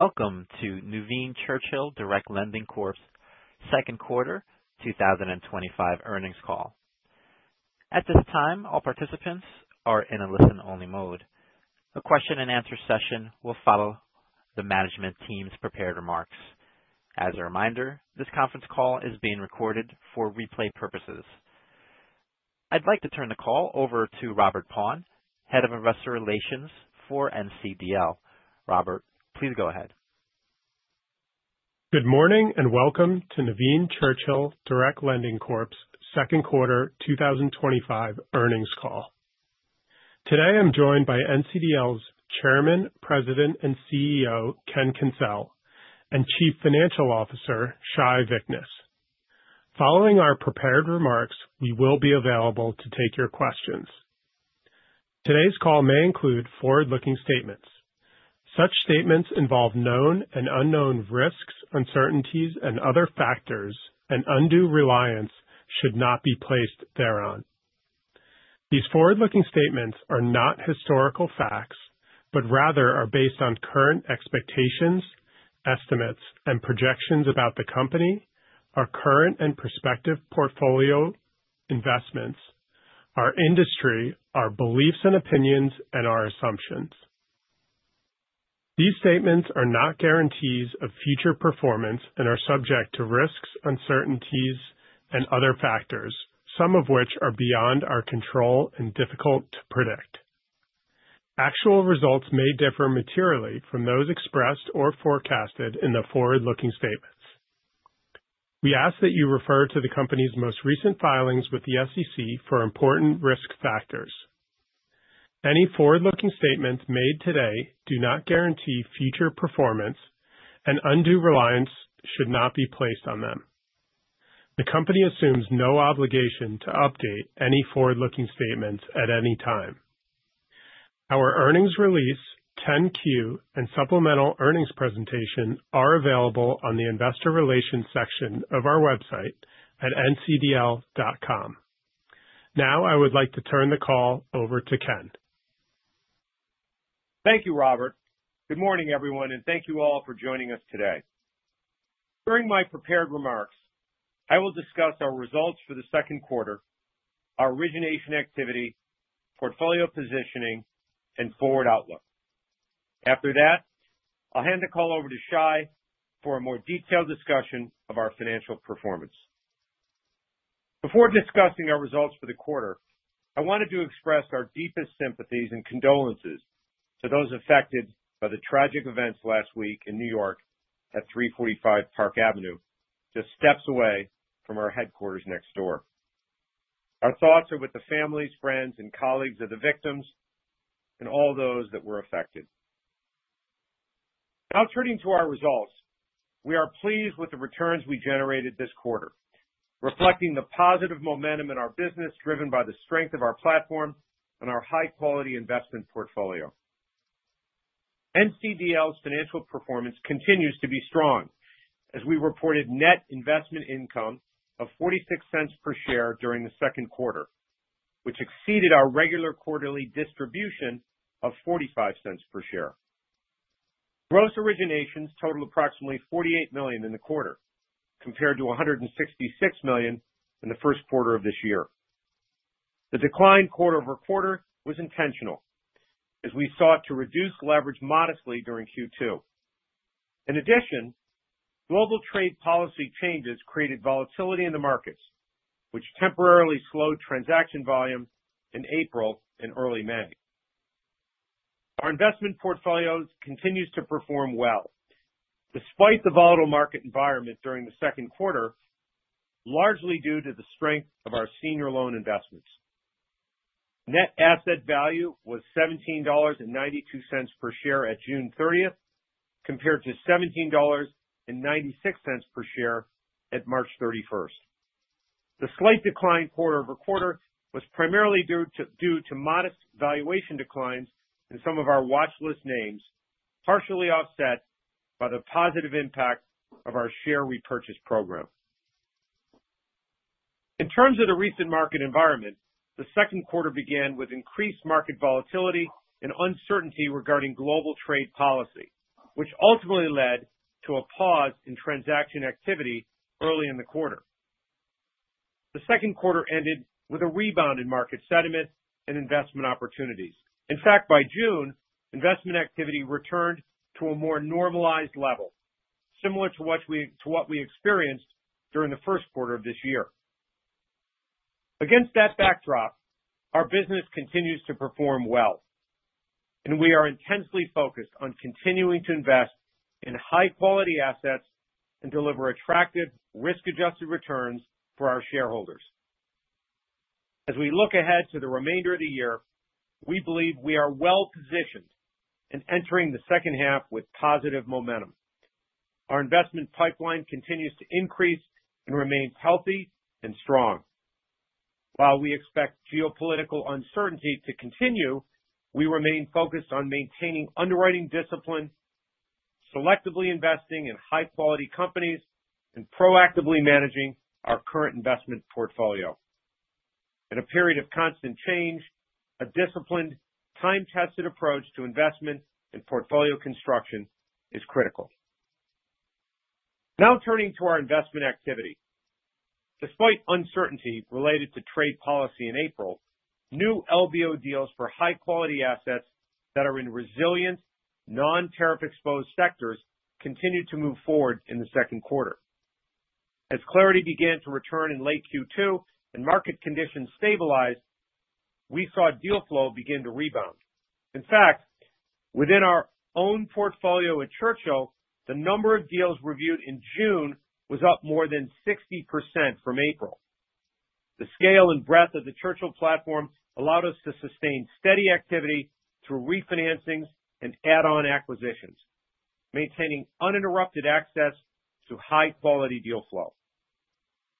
Welcome to Nuveen Churchill Direct Lending Corp's Q2 2025 earnings call. At this time, all participants are in a listen-only mode. A question and answer session will follow the management team's prepared remarks. As a reminder, this conference call is being recorded for replay purposes. I'd like to turn the call over to Robert Pond, Head of Investor Relations for NCDL. Robert, please go ahead. Good morning and welcome to Nuveen Churchill Direct Lending Corp's Q2 2025 earnings call. Today, I'm joined by NCDL's Chairman, President, and CEO, Ken Kencel, and Chief Financial Officer, Shai Vichness. Following our prepared remarks, we will be available to take your questions. Today's call may include forward-looking statements. Such statements involve known and unknown risks, uncertainties and other factors, and undue reliance should not be placed thereon. These forward-looking statements are not historical facts, but rather are based on current expectations, estimates, and projections about the company, our current and prospective portfolio investments, our industry, our beliefs and opinions, and our assumptions. These statements are not guarantees of future performance and are subject to risks, uncertainties, and other factors, some of which are beyond our control and difficult to predict. Actual results may differ materially from those expressed or forecasted in the forward-looking statements. We ask that you refer to the company's most recent filings with the SEC for important risk factors. Any forward-looking statements made today do not guarantee future performance, and undue reliance should not be placed on them. The company assumes no obligation to update any forward-looking statements at any time. Our earnings release, 10-Q, and supplemental earnings presentation are available on the investor relations section of our website at ncdl.com. Now, I would like to turn the call over to Ken. Thank you, Robert. Good morning, everyone. Thank you all for joining us today. During my prepared remarks, I will discuss our results for the 2nd quarter, our origination activity, portfolio positioning, and forward outlook. After that, I'll hand the call over to Shai for a more detailed discussion of our financial performance. Before discussing our results for the quarter, I wanted to express our deepest sympathies and condolences to those affected by the tragic events last week in New York at 345 Park Avenue, just steps away from our headquarters next door. Our thoughts are with the families, friends and colleagues of the victims and all those that were affected. Turning to our results. We are pleased with the returns we generated this quarter, reflecting the positive momentum in our business, driven by the strength of our platform and our high-quality investment portfolio. NCDL's financial performance continues to be strong as we reported net investment income of $0.46 per share during the second quarter, which exceeded our regular quarterly distribution of $0.45 per share. Gross originations totaled approximately $48 million in the quarter, compared to $166 million in the first quarter of this year. The decline quarter-over-quarter was intentional as we sought to reduce leverage modestly during Q2. In addition, global trade policy changes created volatility in the markets, which temporarily slowed transaction volume in April and early May. Our investment portfolio continues to perform well despite the volatile market environment during the second quarter, largely due to the strength of our senior loan investments. Net asset value was $17.92 per share at June 30th, compared to $17.96 per share at March 31. The slight decline quarter-over-quarter was primarily due to modest valuation declines in some of our watchlist names, partially offset by the positive impact of our share repurchase program. In terms of the recent market environment, the second quarter began with increased market volatility and uncertainty regarding global trade policy, which ultimately led to a pause in transaction activity early in the quarter. The second quarter ended with a rebound in market sentiment and investment opportunities. In fact, by June, investment activity returned to a more normalized level, similar to what we experienced during the first quarter of this year. Against that backdrop, our business continues to perform well, and we are intensely focused on continuing to invest in high-quality assets and deliver attractive risk-adjusted returns for our shareholders. As we look ahead to the remainder of the year, we believe we are well-positioned and entering the H2 with positive momentum. Our investment pipeline continues to increase and remains healthy and strong. While we expect geopolitical uncertainty to continue, we remain focused on maintaining underwriting discipline, selectively investing in high-quality companies, and proactively managing our current investment portfolio. In a period of constant change, a disciplined time-tested approach to investment and portfolio construction is critical. Now turning to our investment activity. Despite uncertainty related to trade policy in April, new LBO deals for high quality assets that are in resilient non-tariff exposed sectors continued to move forward in the 2nd quarter. As clarity began to return in late Q2 and market conditions stabilized, we saw deal flow begin to rebound. In fact, within our own portfolio at Churchill, the number of deals reviewed in June was up more than 60% from April. The scale and breadth of the Churchill platform allowed us to sustain steady activity through refinancings and add-on acquisitions, maintaining uninterrupted access to high-quality deal flow.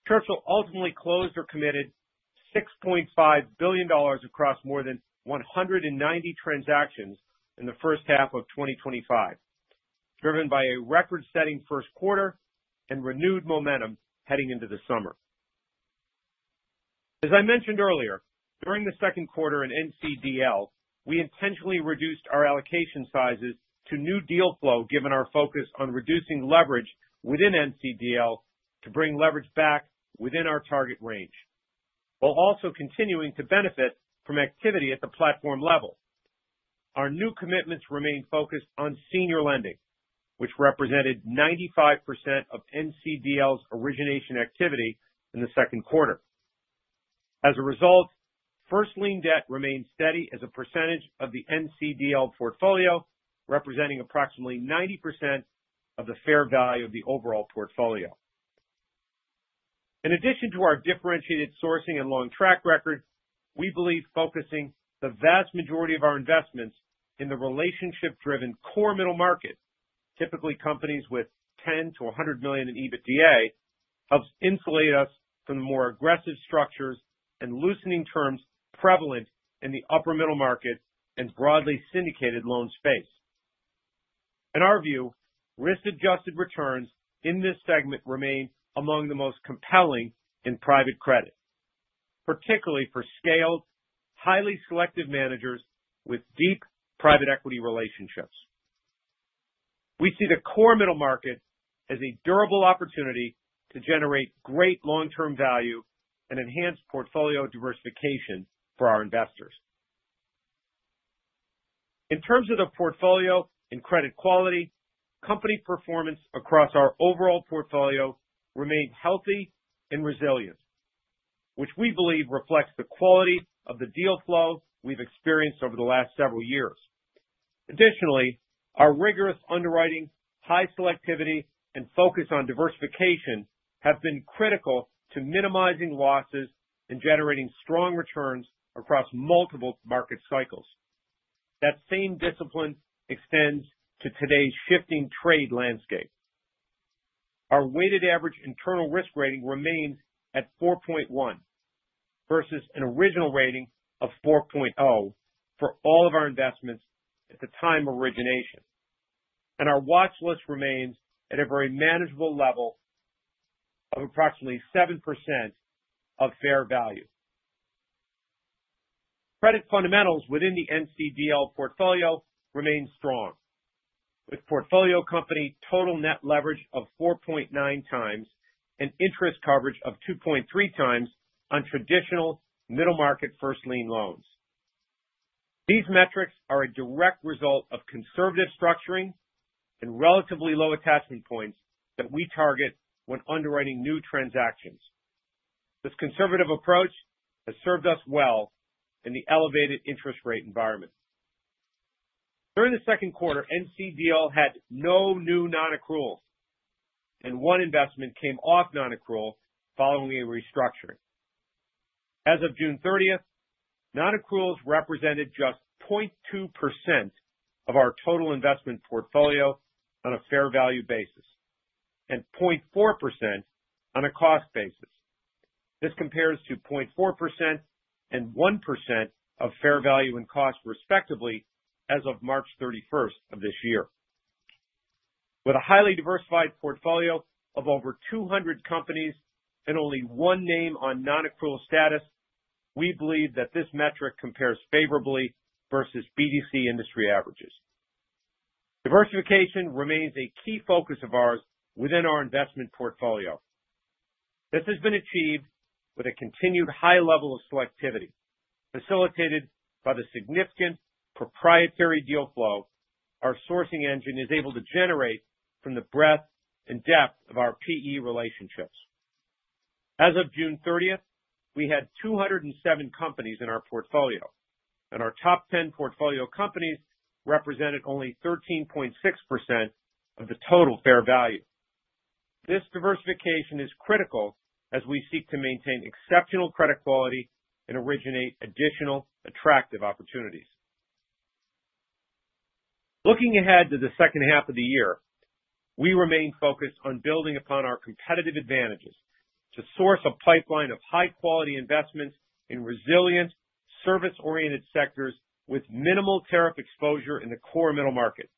Churchill ultimately closed or committed $6.5 billion across more than 190 transactions in the first half of 2025, driven by a record-setting first quarter and renewed momentum heading into the summer. As I mentioned earlier, during the second quarter in NCDL, we intentionally reduced our allocation sizes to new deal flow, given our focus on reducing leverage within NCDL to bring leverage back within our target range, while also continuing to benefit from activity at the platform level. Our new commitments remain focused on senior lending, which represented 95% of NCDL's origination activity in the second quarter. As a result, first lien debt remains steady as a percentage of the NCDL portfolio, representing approximately 90% of the fair value of the overall portfolio. In addition to our differentiated sourcing and long track record, we believe focusing the vast majority of our investments in the relationship-driven core middle market, typically companies with $10 million-$100 million in EBITDA, helps insulate us from the more aggressive structures and loosening terms prevalent in the upper middle market and broadly syndicated loan space. In our view, risk-adjusted returns in this segment remain among the most compelling in private credit, particularly for scaled, highly selective managers with deep private equity relationships. We see the core middle market as a durable opportunity to generate great long-term value and enhance portfolio diversification for our investors. In terms of the portfolio and credit quality, company performance across our overall portfolio remained healthy and resilient, which we believe reflects the quality of the deal flow we've experienced over the last several years. Additionally, our rigorous underwriting, high selectivity, and focus on diversification have been critical to minimizing losses and generating strong returns across multiple market cycles. That same discipline extends to today's shifting trade landscape. Our weighted average internal risk rating remains at 4.1 versus an original rating of 4.0 for all of our investments at the time of origination. And our watch list remains at a very manageable level of approximately 7% of fair value. Credit fundamentals within the NCDL portfolio remain strong, with portfolio company total net leverage of 4.9 times and interest coverage of 2.3 times on traditional middle market first lien loans. These metrics are a direct result of conservative structuring and relatively low attachment points that we target when underwriting new transactions. This conservative approach has served us well in the elevated interest rate environment. During the second quarter, NCDL had no new non-accruals, and one investment came off non-accrual following a restructuring. As of June 30th, non-accruals represented just 0.2% of our total investment portfolio on a fair value basis and 0.4% on a cost basis. This compares to 0.4% and 1% of fair value and cost, respectively, as of March 31st of this year. With a highly diversified portfolio of over 200 companies and only 1 name on non-accrual status, we believe that this metric compares favorably versus BDC industry averages. Diversification remains a key focus of ours within our investment portfolio. This has been achieved with a continued high level of selectivity, facilitated by the significant proprietary deal flow our sourcing engine is able to generate from the breadth and depth of our PE relationships. As of June 30th, we had 207 companies in our portfolio, and our top 10 portfolio companies represented only 13.6% of the total fair value. This diversification is critical as we seek to maintain exceptional credit quality and originate additional attractive opportunities. Looking ahead to the second half of the year, we remain focused on building upon our competitive advantages to source a pipeline of high-quality investments in resilient service-oriented sectors with minimal tariff exposure in the core middle market.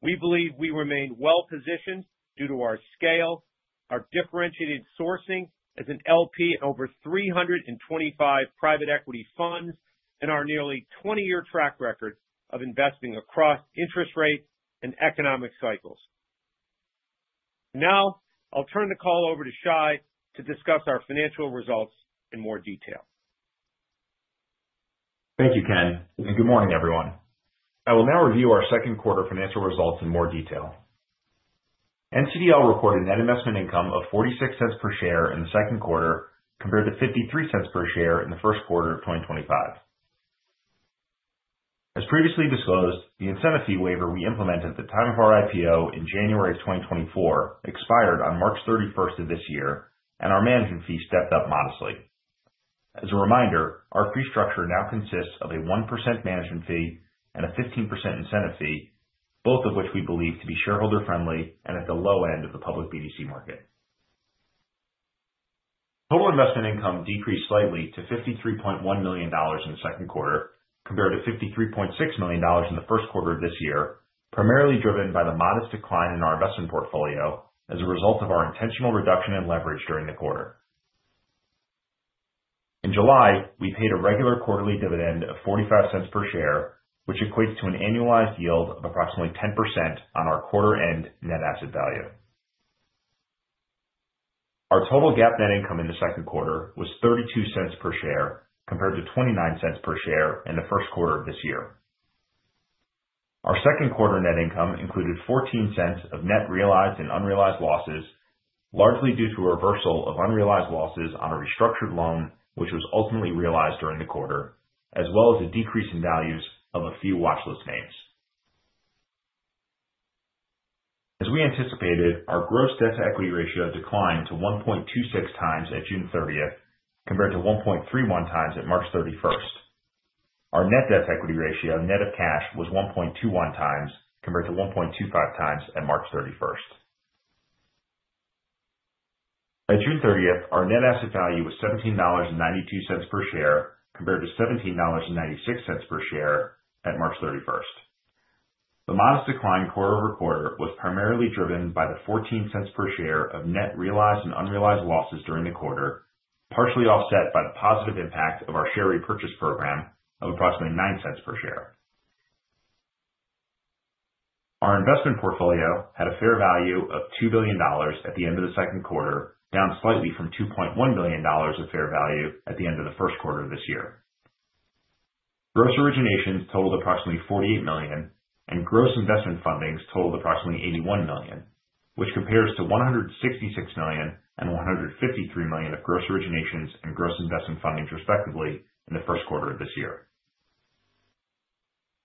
We believe we remain well positioned due to our scale, our differentiated sourcing as an LP over 325 private equity funds, and our nearly 20-year track record of investing across interest rates and economic cycles. Now, I'll turn the call over to Shai to discuss our financial results in more detail. Thank you, Ken, and good morning, everyone. I will now review our second quarter financial results in more detail. NCDL recorded net investment income of $0.46 per share in the second quarter, compared to $0.53 per share in the first quarter of 2025. As previously disclosed, the incentive fee waiver we implemented at the time of our IPO in January of 2024 expired on March 31st of this year, our management fee stepped up modestly. As a reminder, our fee structure now consists of a 1% management fee and a 15% incentive fee, both of which we believe to be shareholder-friendly and at the low end of the public BDC market. Total investment income decreased slightly to $53.1 million in the second quarter, compared to $53.6 million in the first quarter of this year, primarily driven by the modest decline in our investment portfolio as a result of our intentional reduction in leverage during the quarter. In July, we paid a regular quarterly dividend of $0.45 per share, which equates to an annualized yield of approximately 10% on our quarter end net asset value. Our total GAAP net income in the second quarter was $0.32 per share, compared to $0.29 per share in the first quarter of this year. Our second quarter net income included $0.14 of net realized and unrealized losses, largely due to a reversal of unrealized losses on a restructured loan, which was ultimately realized during the quarter, as well as a decrease in values of a few watchlist names. As we anticipated, our gross debt-to-equity ratio declined to 1.26x at June, 30 to 1.31x at March thirty-first. Our net debt equity ratio, net of cash, was 1.21x compared to 1.25x at March thirty-first. At June 30, our net asset value was $17.92 per share, compared to $17.96 per share at March thirty-first. The modest decline quarter-over-quarter was primarily driven by the $0.14 per share of net realized and unrealized losses during the quarter, partially offset by the positive impact of our share repurchase program of approximately $0.09 per share. Our investment portfolio had a fair value of $2 billion at the end of the second quarter, down slightly from $2.1 billion of fair value at the end of the first quarter of this year. Gross originations totaled approximately $48 million, and gross investment fundings totaled approximately $81 million, which compares to $166 million and $153 million of gross originations and gross investment fundings respectively in the first quarter of this year.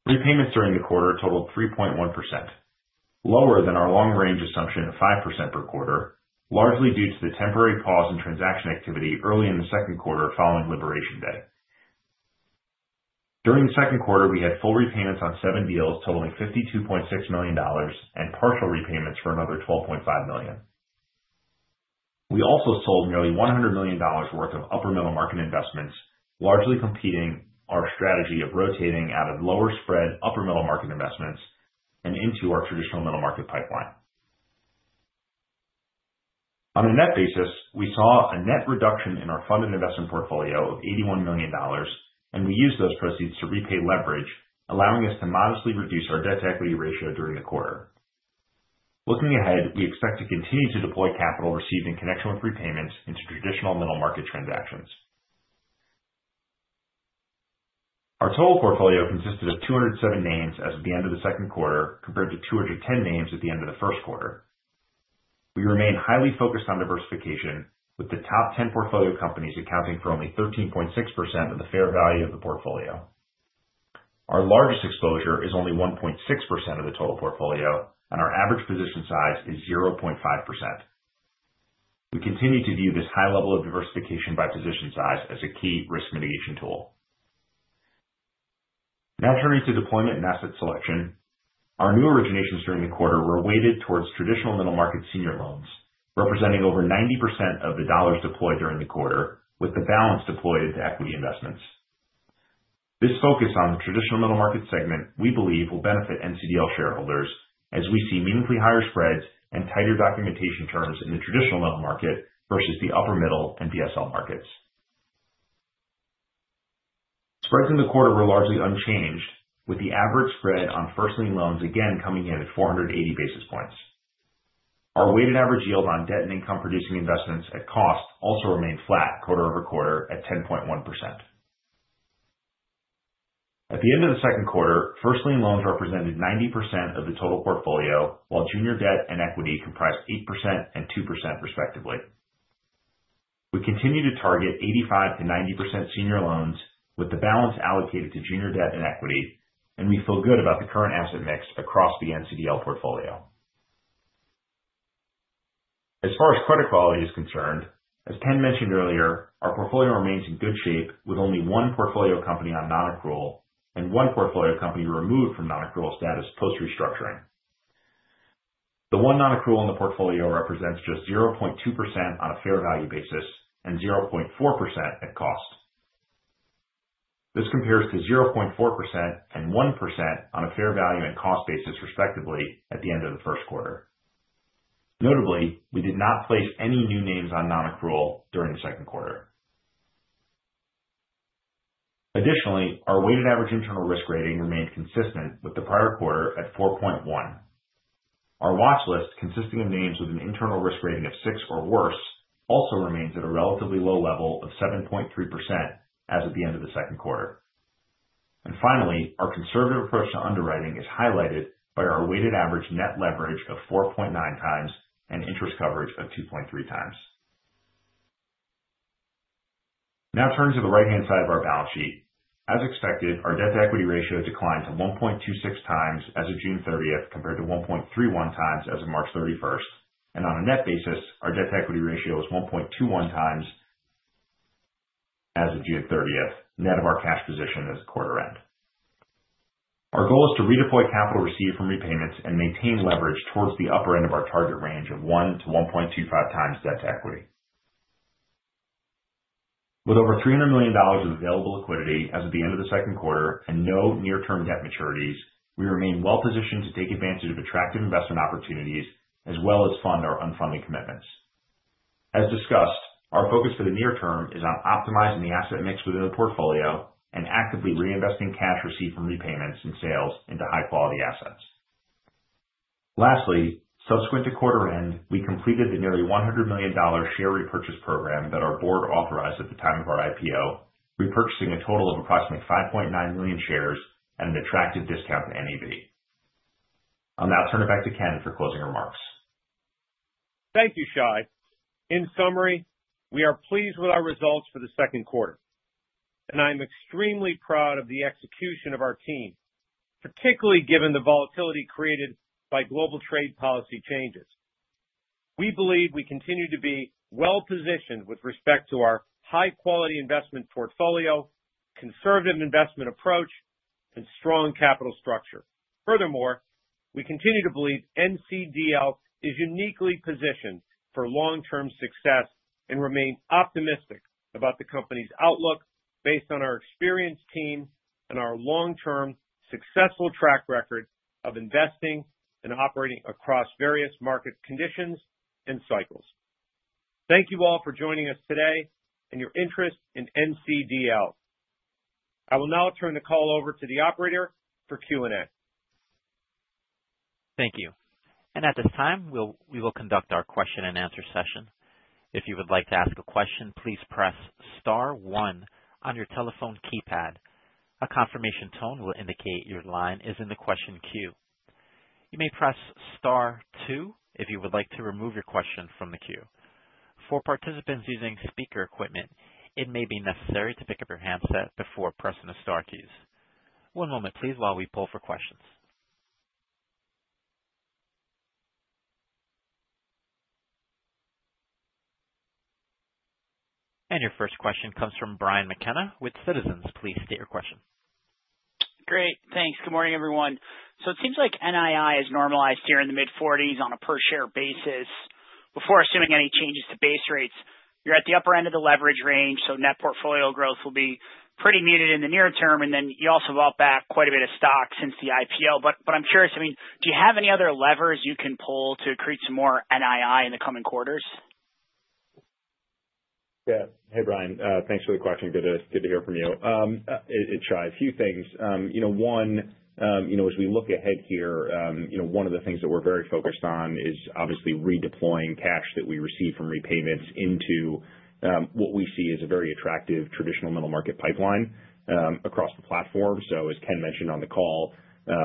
Repayments during the quarter totaled 3.1%, lower than our long-range assumption of 5% per quarter, largely due to the temporary pause in transaction activity early in the second quarter following Liberation Day. During the second quarter, we had full repayments on seven deals totaling $52.6 million and partial repayments for another $12.5 million. We also sold nearly $100 million worth of upper middle market investments, largely completing our strategy of rotating out of lower spread upper middle market investments and into our traditional middle market pipeline. On a net basis, we saw a net reduction in our funded investment portfolio of $81 million, and we used those proceeds to repay leverage, allowing us to modestly reduce our debt-to-equity ratio during the quarter. Looking ahead, we expect to continue to deploy capital received in connection with repayments into traditional middle market transactions. Our total portfolio consisted of 207 names as of the end of the second quarter, compared to 210 names at the end of the first quarter. We remain highly focused on diversification, with the top 10 portfolio companies accounting for only 13.6% of the fair value of the portfolio. Our largest exposure is only 1.6% of the total portfolio, and our average position size is 0.5%. We continue to view this high level of diversification by position size as a key risk mitigation tool. Now turning to deployment and asset selection. Our new originations during the quarter were weighted towards traditional middle market senior loans, representing over 90% of the dollars deployed during the quarter, with the balance deployed into equity investments. This focus on the traditional middle market segment, we believe, will benefit NCDL shareholders as we see meaningfully higher spreads and tighter documentation terms in the traditional middle market versus the upper middle and BSL markets. Spreads in the quarter were largely unchanged, with the average spread on first lien loans again coming in at 480 basis points. Our weighted average yield on debt and income producing investments at cost also remained flat quarter-over-quarter at 10.1%. At the end of the second quarter, first lien loans represented 90% of the total portfolio, while junior debt and equity comprised 8% and 2% respectively. We continue to target 85%-90% senior loans with the balance allocated to junior debt and equity, and we feel good about the current asset mix across the NCDL portfolio. As far as credit quality is concerned, as Ken Kencel mentioned earlier, our portfolio remains in good shape with only one portfolio company on non-accrual and one portfolio company removed from non-accrual status post-restructuring. The one non-accrual in the portfolio represents just 0.2% on a fair value basis and 0.4% at cost. This compares to 0.4% and 1% on a fair value and cost basis, respectively, at the end of the first quarter. Notably, we did not place any new names on non-accrual during the second quarter. Additionally, our weighted average internal risk rating remained consistent with the prior quarter at 4.1. Our watch list, consisting of names with an internal risk rating of six or worse, also remains at a relatively low level of 7.3% as of the end of the second quarter. Finally, our conservative approach to underwriting is highlighted by our weighted average net leverage of 4.9x and interest coverage of 2.3x. Now turning to the right-hand side of our balance sheet. As expected, our debt-to-equity ratio declined to 1.26x as of June 30th, compared to 1.31x as of March 31st. On a net basis, our debt-to-equity ratio was 1.21x as of June 30th, net of our cash position as of quarter end. Our goal is to redeploy capital received from repayments and maintain leverage towards the upper end of our target range of 1 to 1.25x debt to equity. With over $300 million of available liquidity as of the end of the second quarter and no near term debt maturities, we remain well-positioned to take advantage of attractive investment opportunities as well as fund our unfunded commitments. As discussed, our focus for the near term is on optimizing the asset mix within the portfolio and actively reinvesting cash received from repayments and sales into high quality assets. Subsequent to quarter end, we completed the nearly $100 million share repurchase program that our board authorized at the time of our IPO, repurchasing a total of approximately 5.9 million shares at an attractive discount to NAV. I'll now turn it back to Ken for closing remarks. Thank you, Shai. In summary, we are pleased with our results for the second quarter, and I am extremely proud of the execution of our team, particularly given the volatility created by global trade policy changes. We believe we continue to be well-positioned with respect to our high quality investment portfolio, conservative investment approach, and strong capital structure. Furthermore, we continue to believe NCDL is uniquely positioned for long-term success and remain optimistic about the company's outlook based on our experienced team and our long-term successful track record of investing and operating across various market conditions and cycles. Thank you all for joining us today and your interest in NCDL. I will now turn the call over to the operator for Q&A. Thank you. At this time, we will conduct our question and answer session. If you would like to ask a question, please press star one on your telephone keypad. A confirmation tone will indicate your line is in the question queue. You may press star two if you would like to remove your question from the queue. For participants using speaker equipment, it may be necessary to pick up your handset before pressing the star keys. One moment please, while we poll for questions. Your first question comes from Brian McKenna with Citizens. Please state your question. Great, thanks. Good morning, everyone. It seems like NII is normalized here in the mid-40s on a per share basis. Before assuming any changes to base rates, you're at the upper end of the leverage range, net portfolio growth will be pretty muted in the near term. You also bought back quite a bit of stock since the IPO. I'm curious, I mean, do you have any other levers you can pull to create some more NII in the coming quarters? Hey, Brian, thanks for the question. Good to hear from you. Shai, a few things. One, as we look ahead here, one of the things that we're very focused on is obviously redeploying cash that we receive from repayments into what we see as a very attractive traditional middle market pipeline across the platform. As Ken mentioned on the call,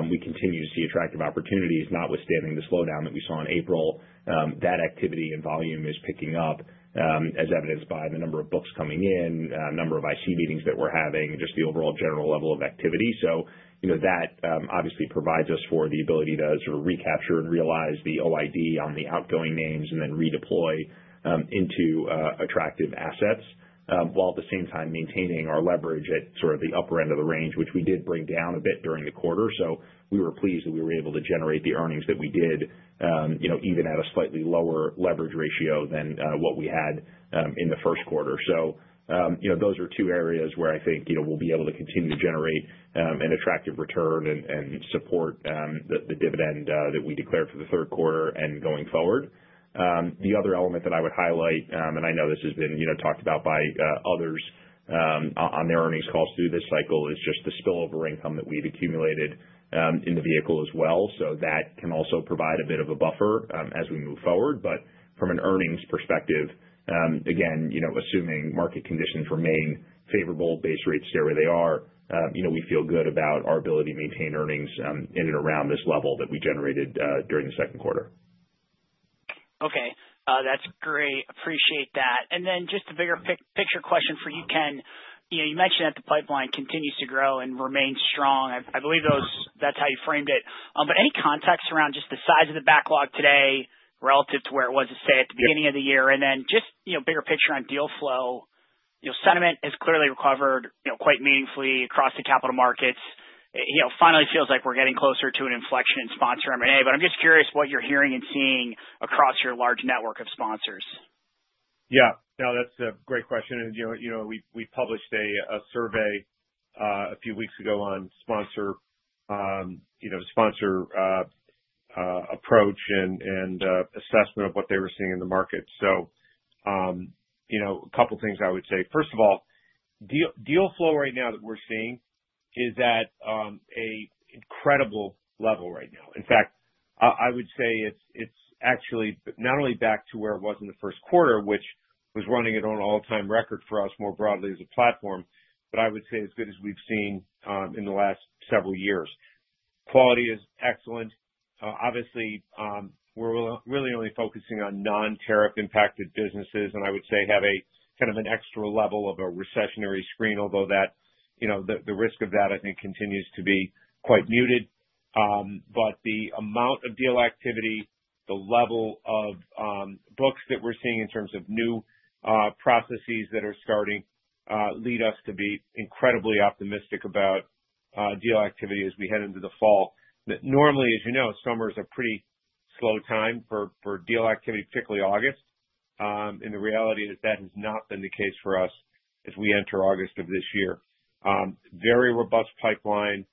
we continue to see attractive opportunities notwithstanding the slowdown that we saw in April. That activity and volume is picking up as evidenced by the number of books coming in, number of IC meetings that we're having, just the overall general level of activity. You know, that, obviously provides us for the ability to sort of recapture and realize the OID on the outgoing names and then redeploy, into attractive assets. While at the same time maintaining our leverage at sort of the upper end of the range, which we did bring down a bit during the quarter. We were pleased that we were able to generate the earnings that we did, you know, even at a slightly lower leverage ratio than what we had, in the first quarter. You know, those are two areas where I think, you know, we'll be able to continue to generate an attractive return and support the dividend that we declared for the third quarter and going forward. The other element that I would highlight, and I know this has been, you know, talked about by others on their earnings calls through this cycle, is just the spillover income that we've accumulated in the vehicle as well. That can also provide a bit of a buffer as we move forward. From an earnings perspective, again, you know, assuming market conditions remain favorable, base rates stay where they are, you know, we feel good about our ability to maintain earnings in and around this level that we generated during the second quarter. Okay. That's great. Appreciate that. Then just a bigger picture question for you, Ken. You know, you mentioned that the pipeline continues to grow and remain strong. I believe that's how you framed it. Any context around just the size of the backlog today relative to where it was, let's say, at the beginning of the year. Then just, you know, bigger picture on deal flow. You know, sentiment has clearly recovered, you know, quite meaningfully across the capital markets. You know, finally feels like we're getting closer to an inflection in sponsor M&A. I'm just curious what you're hearing and seeing across your large network of sponsors. Yeah. No, that's a great question. You know, we published a survey a few weeks ago on sponsor, you know, sponsor approach and assessment of what they were seeing in the market. You know, a couple things I would say. First of all, deal flow right now that we're seeing is at a incredible level right now. In fact, I would say it's actually not only back to where it was in the first quarter, which was running at an all-time record for us more broadly as a platform, but I would say as good as we've seen in the last several years. Quality is excellent. Obviously, we're really only focusing on non-tariff impacted businesses, and I would say have a kind of an extra level of a recessionary screen, although that, you know, the risk of that, I think, continues to be quite muted. The amount of deal activity, the level of books that we're seeing in terms of new processes that are starting, lead us to be incredibly optimistic about deal activity as we head into the fall. Normally, as you know, summer is a pretty slow time for deal activity, particularly August. The reality is that has not been the case for us as we enter August of this year. Very robust pipeline,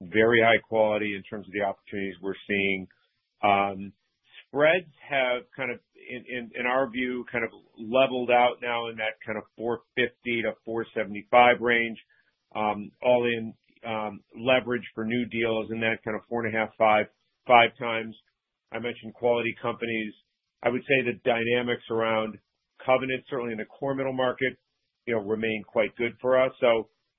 very high quality in terms of the opportunities we're seeing. Spreads have kind of, in, in our view, kind of leveled out now in that kind of 450-475 range, all in, leverage for new deals in that kind of 4.5, 5x. I mentioned quality companies. I would say the dynamics around covenants, certainly in the core middle market, you know, remain quite good for us.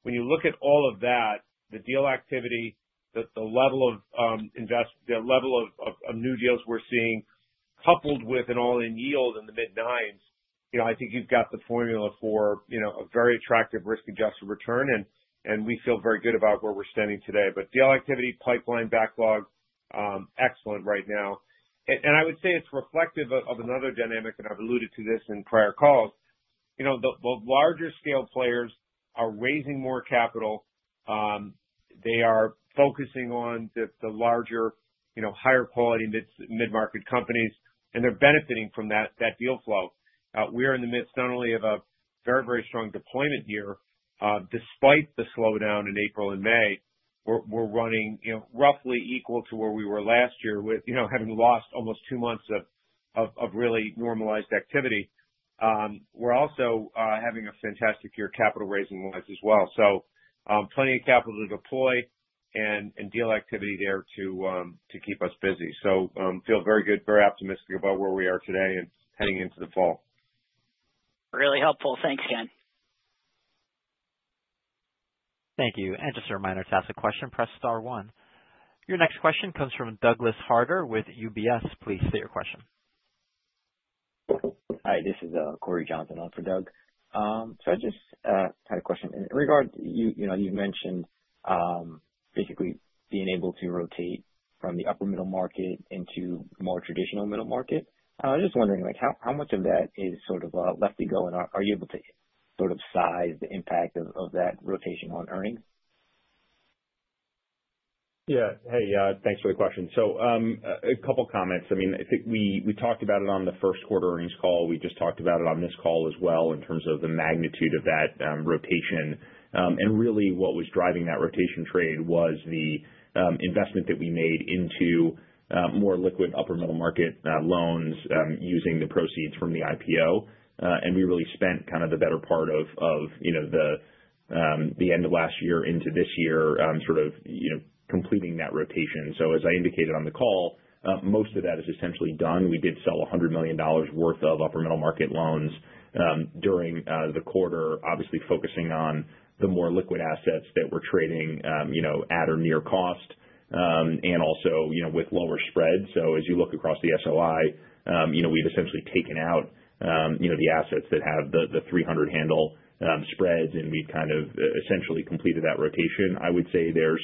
When you look at all of that, the deal activity, the level of new deals we're seeing, coupled with an all-in yield in the mid-9s, you know, I think you've got the formula for, you know, a very attractive risk-adjusted return and we feel very good about where we're standing today. Deal activity pipeline backlog, excellent right now. I would say it's reflective of another dynamic, and I've alluded to this in prior calls. You know, the larger scale players are raising more capital. They are focusing on the larger, you know, higher quality mid-market companies, and they're benefiting from that deal flow. We are in the midst not only of a very, very strong deployment year, despite the slowdown in April and May. We're running, you know, roughly equal to where we were last year with, you know, having lost almost two months of really normalized activity. We're also having a fantastic year capital raising-wise as well. Plenty of capital to deploy and deal activity there to keep us busy. Feel very good, very optimistic about where we are today and heading into the fall. Really helpful. Thanks, Ken. Thank you. Just a reminder, to ask a question, press star one. Your next question comes from Douglas Harter with UBS. Please state your question. Hi, this is Corey Johnson on for Doug. I just had a question in regard you know, you mentioned basically being able to rotate from the upper middle market into more traditional middle market. I was just wondering, like, how much of that is sort of left to go, and are you able to sort of size the impact of that rotation on earnings? Hey, thanks for the question. A couple comments. I mean, I think we talked about it on the first quarter earnings call. We just talked about it on this call as well in terms of the magnitude of that rotation. Really what was driving that rotation trade was the investment that we made into more liquid upper middle market loans, using the proceeds from the IPO. We really spent kind of the better part of, you know, the end of last year into this year, sort of, you know, completing that rotation. As I indicated on the call, most of that is essentially done. We did sell $100 million worth of upper middle market loans, during the quarter, obviously focusing on the more liquid assets that we're trading, you know, at or near cost, and also, you know, with lower spreads. As you look across the SOI, you know, we've essentially taken out, you know, the assets that have the 300 handle spreads, and we've kind of essentially completed that rotation. I would say there's,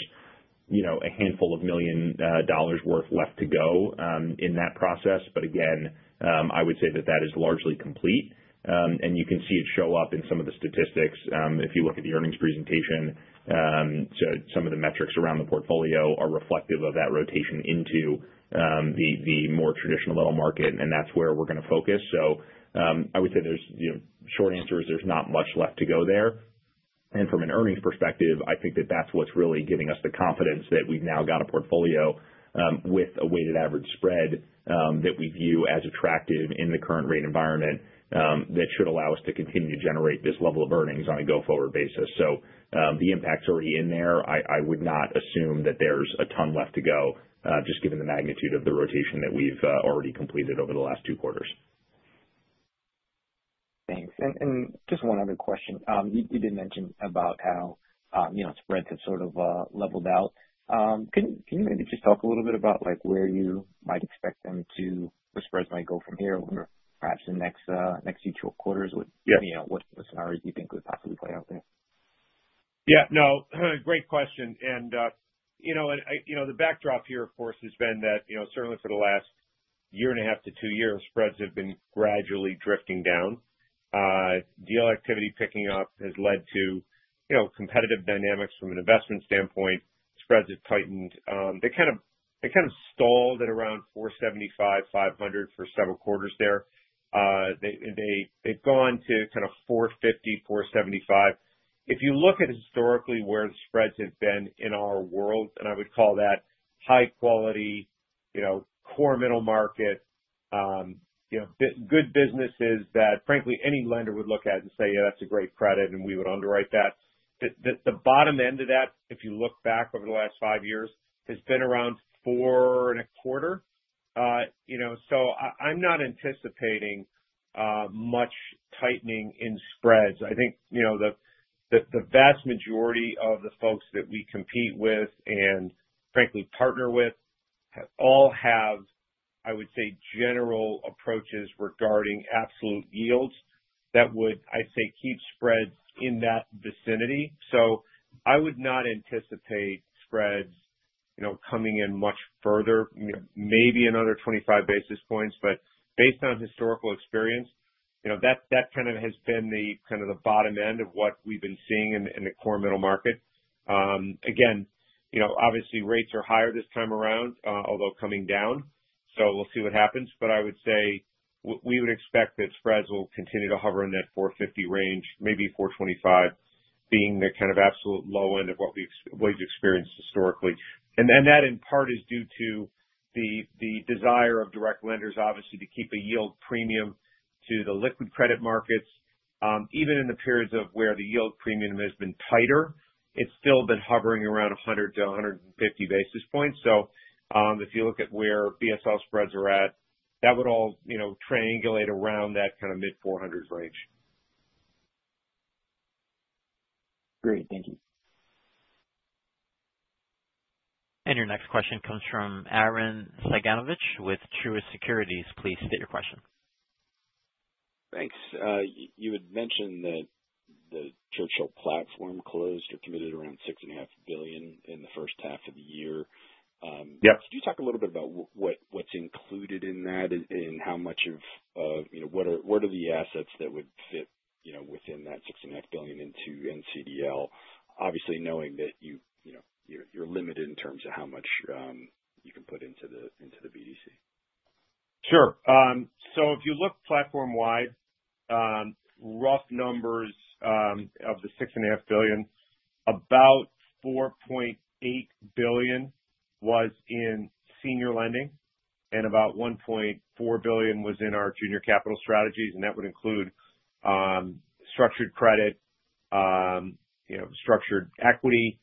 you know, a handful of million dollars worth left to go in that process. Again, I would say that that is largely complete. You can see it show up in some of the statistics. If you look at the earnings presentation, some of the metrics around the portfolio are reflective of that rotation into the more traditional middle market, and that's where we're gonna focus. I would say there's, you know, short answer is there's not much left to go there. From an earnings perspective, I think that that's what's really giving us the confidence that we've now got a portfolio with a weighted average spread that we view as attractive in the current rate environment that should allow us to continue to generate this level of earnings on a go-forward basis. The impact's already in there. I would not assume that there's a ton left to go, just given the magnitude of the rotation that we've already completed over the last 2 quarters. Thanks. Just one other question. You did mention about how, you know, spreads have sort of leveled out. Can you maybe just talk a little bit about, like, where the spreads might go from here over perhaps the next few quarters? Yeah. You know, what scenarios you think would possibly play out there? No, great question. You know, the backdrop here, of course, has been that, you know, certainly for the last one and a half to two years, spreads have been gradually drifting down. Deal activity picking up has led to, you know, competitive dynamics from an investment standpoint. Spreads have tightened. They kind of stalled at around 475, 500 for several quarters there. They've gone to kind of 450, 475. If you look at historically where the spreads have been in our world, and I would call that high quality, you know, core middle market, you know, good businesses that frankly any lender would look at and say, "Yeah, that's a great credit," and we would underwrite that. The bottom end of that, if you look back over the last 5 years, has been around 4.25. You know, I'm not anticipating much tightening in spreads. I think, you know, the vast majority of the folks that we compete with and frankly partner with all have, I would say, general approaches regarding absolute yields that would, I'd say, keep spreads in that vicinity. I would not anticipate spreads, you know, coming in much further. You know, maybe another 25 basis points, but based on historical experience, you know, that kind of has been the kind of the bottom end of what we've been seeing in the core middle market. Again, you know, obviously rates are higher this time around, although coming down. We'll see what happens. I would say we would expect that spreads will continue to hover in that 450 range, maybe 425 being the kind of absolute low end of what we've experienced historically. That in part is due to the desire of direct lenders, obviously, to keep a yield premium to the liquid credit markets. Even in the periods of where the yield premium has been tighter, it's still been hovering around 100 to 150 Bps. If you look at where BSL spreads are at, that would all, you know, triangulate around that kind of mid-400s range. Great. Thank you. Your next question comes from Aaron Ciganovich with Truist Securities. Please state your question. Thanks. You had mentioned that the Churchill platform closed or committed around $6.5 billion in the H1 of the year. Yeah. Could you talk a little bit about what's included in that and how much of, you know, what are the assets that would fit, you know, within that $6.5 billion into NCDL? Obviously, knowing that you know, you're limited in terms of how much you can put into the, into the BDC. Sure. If you look platform-wide, rough numbers, of the $6.5 billion, about $4.8 billion was in senior lending and about $1.4 billion was in our junior capital strategies, and that would include structured credit, you know, structured equity,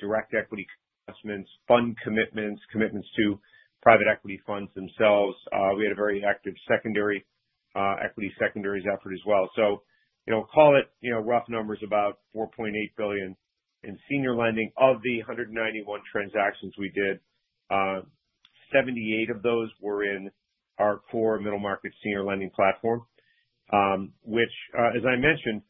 direct equity investments, fund commitments to private equity funds themselves. We had a very active secondary equity secondaries effort as well. You know, call it, you know, rough numbers about $4.8 billion in senior lending. Of the 191 transactions we did, 78 of those were in our core middle market senior lending platform. Which, as I mentioned,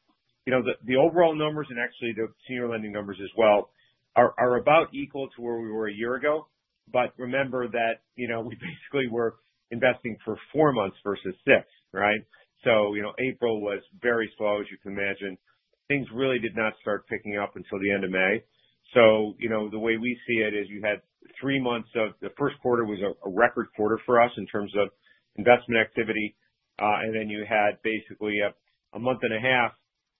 you know, the overall numbers and actually the senior lending numbers as well are about equal to where we were a year ago. Remember that, you know, we basically were investing for 4 months versus 6, right? You know, April was very slow, as you can imagine. Things really did not start picking up until the end of May. You know, the way we see it is you had 3 months of the first quarter was a record quarter for us in terms of investment activity. Then you had basically a 1.5 months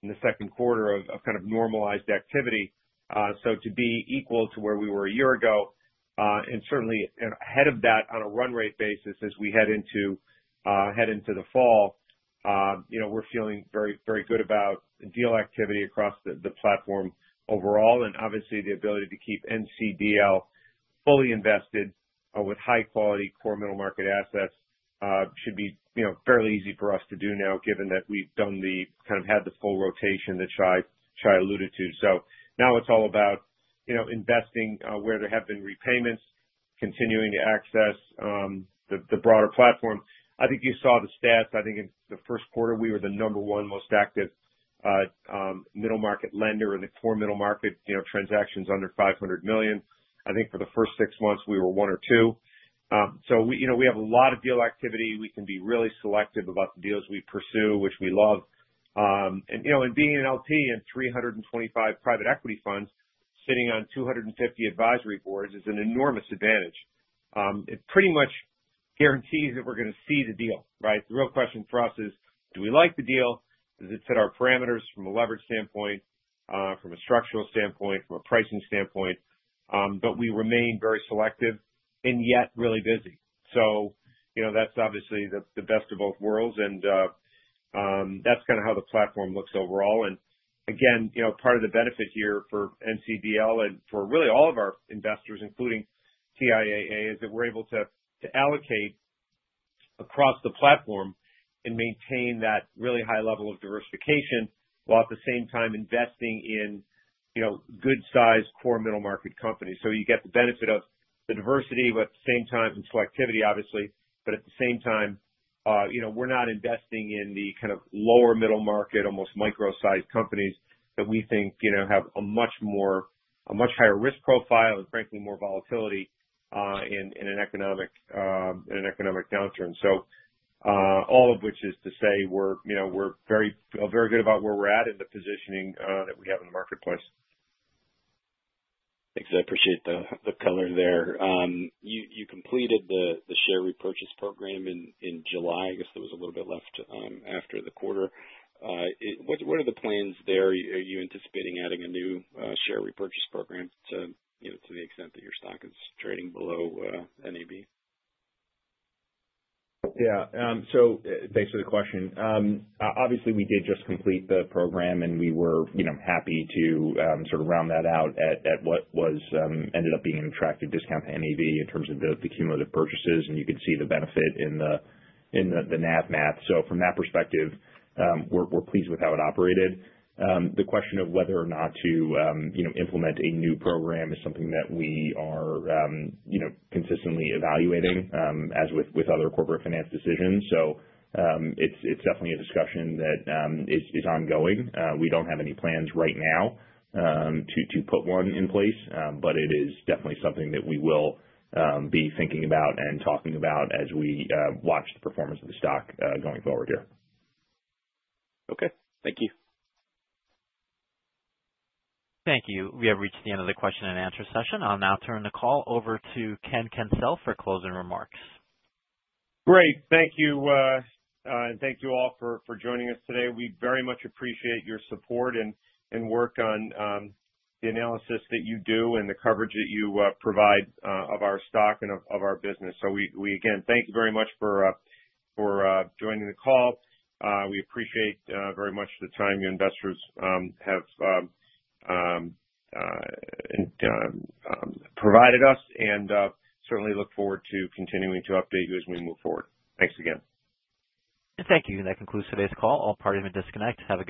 in the second quarter of kind of normalized activity. To be equal to where we were a year ago, and certainly ahead of that on a run rate basis as we head into head into the fall, you know, we're feeling very, very good about deal activity across the platform overall. Obviously the ability to keep NCDL fully invested, with high quality core middle market assets, should be, you know, fairly easy for us to do now, given that we've done kind of had the full rotation that Shai alluded to. Now it's all about, you know, investing, where there have been repayments, continuing to access the broader platform. I think you saw the stats. I think in the first quarter we were the number 1 most active middle market lender in the core middle market, you know, transactions under $500 million. I think for the first six months we were one or two. We, you know, we have a lot of deal activity. We can be really selective about the deals we pursue, which we love. You know, being an LP in 325 private equity funds, sitting on 250 advisory boards is an enormous advantage. It pretty much guarantees that we're gonna see the deal, right? The real question for us is. Do we like the deal? Does it fit our parameters from a leverage standpoint, from a structural standpoint, from a pricing standpoint? We remain very selective and yet really busy. You know, that's obviously the best of both worlds. That's kinda how the platform looks overall. Again, you know, part of the benefit here for NCDL and for really all of our investors, including TIAA, is that we're able to allocate across the platform and maintain that really high level of diversification, while at the same time investing in, you know, good-sized core middle market companies. You get the benefit of the diversity, but at the same time, and selectivity obviously, but at the same time, you know, we're not investing in the kind of lower middle market, almost micro-sized companies that we think, you know, have a much higher risk profile and frankly, more volatility in an economic downturn. All of which is to say we, you know, feel very good about where we're at and the positioning that we have in the marketplace. Thanks. I appreciate the color there. You completed the share repurchase program in July. I guess there was a little bit left after the quarter. What are the plans there? Are you anticipating adding a new share repurchase program to the extent that your stock is trading below NAV? Yeah. Thanks for the question. Obviously we did just complete the program and we were, you know, happy to sort of round that out at what was ended up being an attractive discount to NAV in terms of the cumulative purchases and you could see the benefit in the NAV math. From that perspective, we're pleased with how it operated. The question of whether or not to, you know, implement a new program is something that we are, you know, consistently evaluating as with other corporate finance decisions. It's definitely a discussion that is ongoing. We don't have any plans right now to put one in place, but it is definitely something that we will be thinking about and talking about as we watch the performance of the stock going forward here. Okay. Thank you. Thank you. We have reached the end of the question and answer session. I'll now turn the call over to Ken Kencel for closing remarks. Great. Thank you. Thank you all for joining us today. We very much appreciate your support and work on the analysis that you do and the coverage that you provide of our stock and of our business. We again, thank you very much for joining the call. We appreciate very much the time you investors have provided us and certainly look forward to continuing to update you as we move forward. Thanks again. Thank you. That concludes today's call. All parties may disconnect. Have a good day.